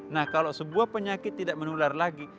nah kalau sebuah penyakit tidak menular lagi